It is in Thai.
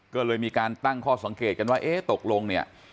ก็เลยมีการตั้งข้อสังเกตกันว่าเอ๊ะตกลงเนี่ย